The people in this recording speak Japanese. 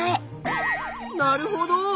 なるほど。